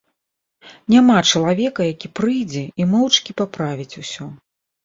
Няма чалавека, які прыйдзе і моўчкі паправіць ўсё.